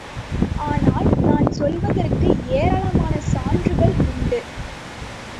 ஆனால் நான் சொல்வதற்கு ஏராளமான சான்றுகள் உண்டு.